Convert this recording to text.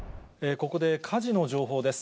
ここで火事の情報です。